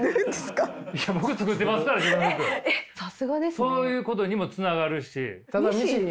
そういうことにもつながるし。